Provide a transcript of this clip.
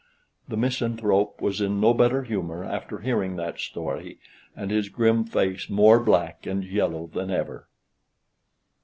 The misanthrope was in no better humor after hearing that story, and his grim face more black and yellow than ever.